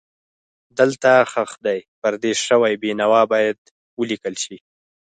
دلته ښخ دی پردیس شوی بېنوا باید ولیکل شي.